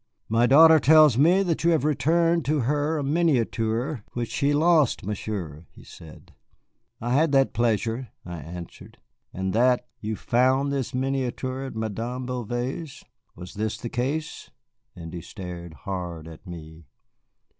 "My daughter tells me that you have returned to her a miniature which she lost, Monsieur," he said. "I had that pleasure," I answered. "And that you found this miniature at Madame Bouvet's. Was this the case?" And he stared hard at me.